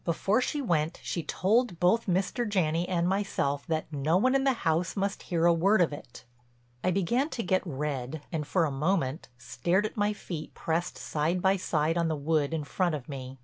"Before she went she told both Mr. Janney and myself that no one in the house must hear a word of it." I began to get red, and for a moment, stared at my feet pressed side by side on the wood in front of me.